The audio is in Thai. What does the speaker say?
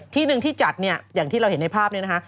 ที่หนึ่งที่จัดเนี่ยอย่างที่เราเห็นในภาพนี้นะคะ